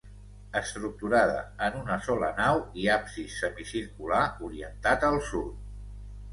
Estructurada en una sola nau i absis semicircular orientat al sud.